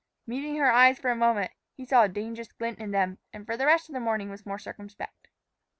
Meeting her eyes for a moment, he saw a dangerous glint in them, and for the rest of the morning was more circumspect.